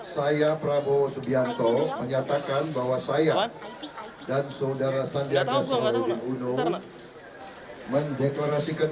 saya prabowo subianto menyatakan bahwa saya dan saudara sandiaga selalu diunung mendeklarasikan